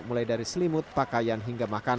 mulai dari selimut pakaian hingga makanan